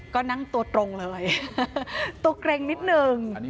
ก็นั่งตัวตรงเลยตัวเกร็งนิดนึง